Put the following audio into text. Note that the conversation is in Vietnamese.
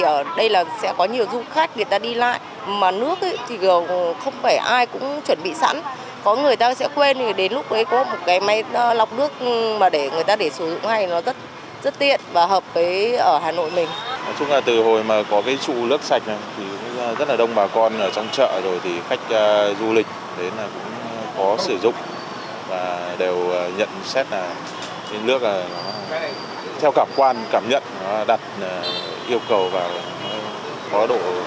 ở trong chợ rồi thì khách du lịch đến là cũng có sử dụng và đều nhận xét là nước theo cảm quan cảm nhận đặt yêu cầu và có độ đảm bảo